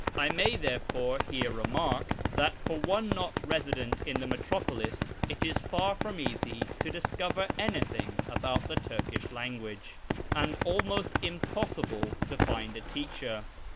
I may therefore here remark that for one not resident in the metropolis it is far from easy to discover anything about the Tui kish language, and almost impossible to find a teacher.